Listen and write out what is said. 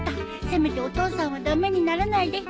せめてお父さんは駄目にならないで。